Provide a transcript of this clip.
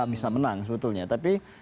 bisa menang sebetulnya tapi